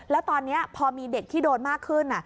แล้วตอนนี้พอมีเด็กที่โดนมากขึ้น